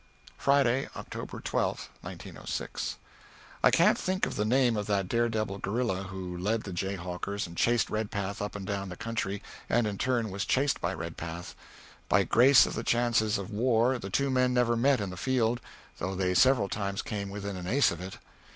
[Friday, October 12, 1906.] ... I can't think of the name of that daredevil guerilla who led the jayhawkers and chased Redpath up and down the country, and, in turn, was chased by Redpath. By grace of the chances of war, the two men never met in the field, though they several times came within an ace of it.